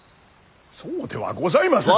そうではございません。